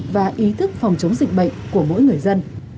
và ý thức phòng chống dịch bệnh của mỗi người dân